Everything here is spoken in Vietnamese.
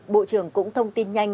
bộ trưởng cũng thông tin nhanh